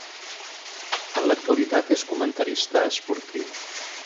En l'actualitat és comentarista esportiu.